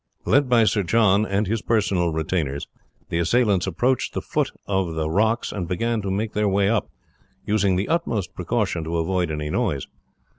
Led by Sir John and his personal retainers, the assailants approached the foot of the rocks and began to make their way up, using the utmost precaution to avoid any noise.